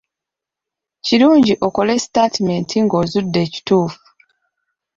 Kirungi okole sitaatimenti ng'ozudde ekituufu.